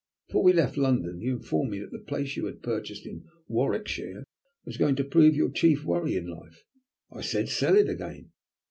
Before we left London you informed me that the place you had purchased in Warwickshire was going to prove your chief worry in life. I said, 'sell it again.'